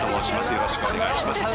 よろしくお願いします。